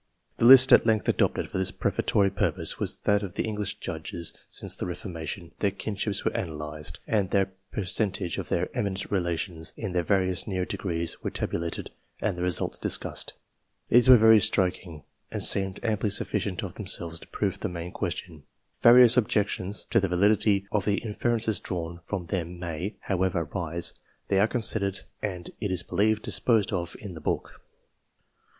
The list at length adopted for this prefatory purpose was that of the English Judges since the Reformation. Their kinships were analyzed, and the percentage of their " eminent " relations in the various near degrees were tabulated and the results discussed. These were very striking, and seemed amply sufficient of themselves to prove the main question. Various objections to the validity of the inferences drawn from them may, how ever, arise ; they are considered, and, it is believed, disposed of, in the book.